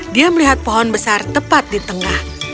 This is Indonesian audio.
dia melihat pohon besar tepat di tengah